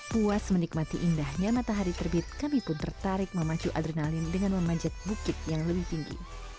puas menikmati indahnya matahari terbit kami pun tertarik memacu adrenalin dengan memanjat bukit yang lebih tinggi